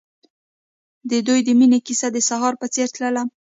د دوی د مینې کیسه د سهار په څېر تلله.